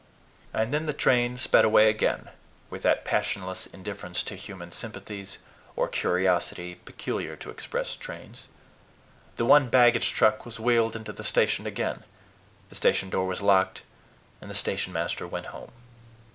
And then the train sped away again, with that passionless indifference to human sympathies or curiosity peculiar to express trains; the one baggage truck was wheeled into the station again; the station door was locked; and the stationmaster went home.